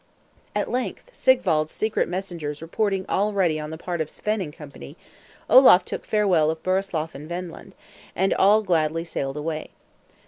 At length, Sigwald's secret messengers reporting all ready on the part of Svein and Co., Olaf took farewell of Burislav and Wendland, and all gladly sailed away.